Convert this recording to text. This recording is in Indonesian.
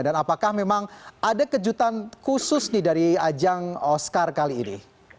dan apakah memang ada kejutan khusus nih dari ajang oscar kali ini